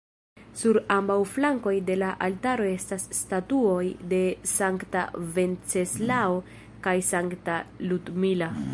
Sur ambaŭ flankoj de la altaro estas statuoj de Sankta Venceslao kaj Sankta Ludmila.